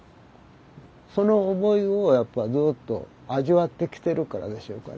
その思いをやっぱずっと味わってきてるからでしょうかね。